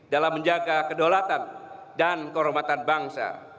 dalam menjaga kedaulatan dan kehormatan bangsa